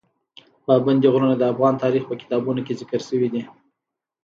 پابندي غرونه د افغان تاریخ په کتابونو کې ذکر شوي دي.